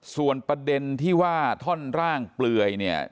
ส่วนประเด็นที่ว่าท่อนร่างเปลือยเนี่ย